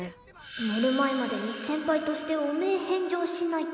寝る前までに先輩として汚名返上しないと。